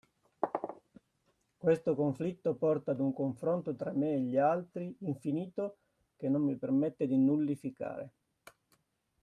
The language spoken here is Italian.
Questo conflitto porta ad un confronto tra me e gli altri infinito che non mi permette di nullificare.